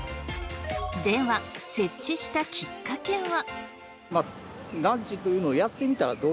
では設置したきっかけは？